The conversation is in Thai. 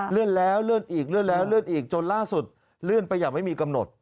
เลื่อนแล้วเลื่อนอีกเลื่อนแล้วเลื่อนอีกจนล่าสุดเลื่อนไปอย่างไม่มีกำหนด